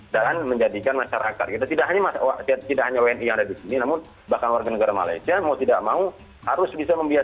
dan menjadikan masyarakat kita tidak hanya wni yang ada di sini namun bahkan warga negara malaysia mau tidak mau harus menjadikan masyarakat